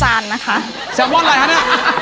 ซาวร์มอล์อะไรฮะนั้น